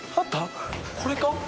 これか？